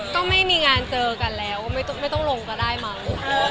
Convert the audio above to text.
ก็ไม่มีงานเจอกันแล้วไม่ต้องลงก็ได้มั้ง